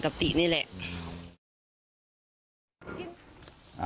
กับตินี่แหละ